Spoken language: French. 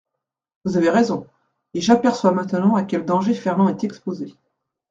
Vous avez raison, et j’aperçois maintenant à quels dangers Fernand est exposé.